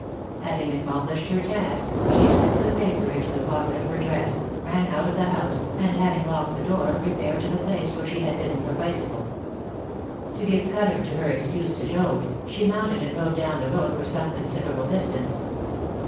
Having accomplished her task, she slipped the paper into the pocket of her dress, ran out of the house, and, having locked the door, repaired to the place where she had hidden her bicycle. To give colour to her excuse to Joad, she mounted and rode down the road for some considerable distance.